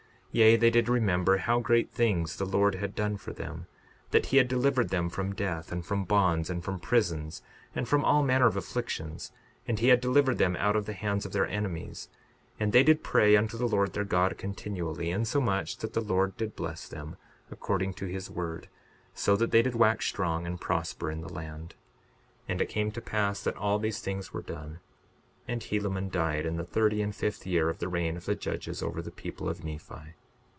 62:50 Yea, they did remember how great things the Lord had done for them, that he had delivered them from death, and from bonds, and from prisons, and from all manner of afflictions and he had delivered them out of the hands of their enemies. 62:51 And they did pray unto the Lord their God continually, insomuch that the Lord did bless them, according to his word, so that they did wax strong and prosper in the land. 62:52 And it came to pass that all these things were done. And Helaman died, in the thirty and fifth year of the reign of the judges over the people of Nephi.